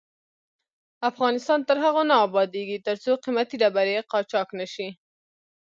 افغانستان تر هغو نه ابادیږي، ترڅو قیمتي ډبرې قاچاق نشي.